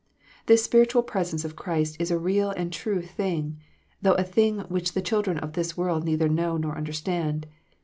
This spiritual presence of Christ is a real and true thing, though a thing which the children of this world neither know nor understand.